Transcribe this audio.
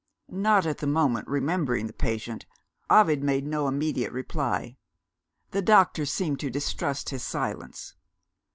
Not at the moment remembering the patient, Ovid made no immediate reply. The doctor seemed to distrust his silence.